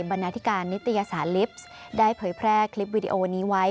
นาธิการนิตยสารลิฟต์ได้เผยแพร่คลิปวิดีโอนี้ไว้